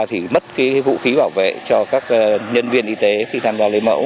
thì mất vũ khí bảo vệ cho các nhân viên y tế khi tham gia lấy mẫu